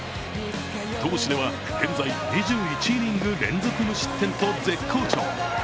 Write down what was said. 投手では現在、２１イニング連続無失点と絶好調。